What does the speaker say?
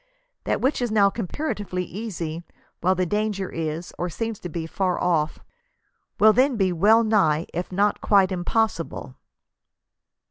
That which is now comparatively easy, while the danger is, or seems to be, far off, will then be well nigh, if not quite, impos sible."